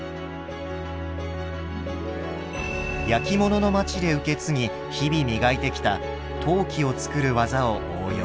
焼き物の町で受け継ぎ日々磨いてきた陶器を作る技を応用。